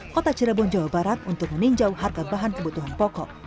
kota cirebon jawa barat untuk meninjau harga bahan kebutuhan pokok